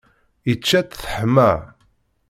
Ičča-tt, teḥma.